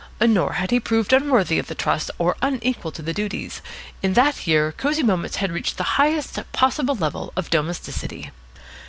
Nor had he proved unworthy of the trust or unequal to the duties. In that year Cosy Moments had reached the highest possible level of domesticity.